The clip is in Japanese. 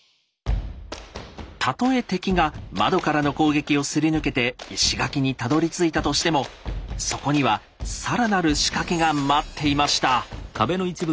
たとえ敵が窓からの攻撃をすり抜けて石垣にたどりついたとしてもそこにはさらなる仕掛けが待っていました。